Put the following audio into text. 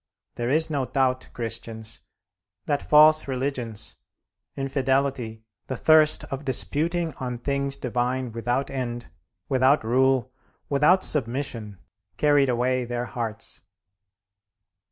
There is no doubt, Christians, that false religions, infidelity, the thirst of disputing on things divine without end, without rule, without submission, carried away their hearts.